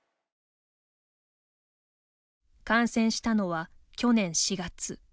感染したのは去年４月。